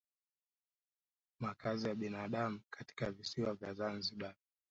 Makazi ya binadamu katika visiwa vya Zanzibar